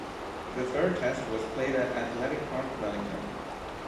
The third Test was played at Athletic Park, Wellington.